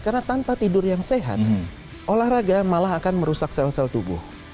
karena tanpa tidur yang sehat olahraga malah akan merusak sel sel tubuh